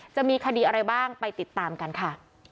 จะมีคดีอะไรบ้างไปติดตามกันค่ะ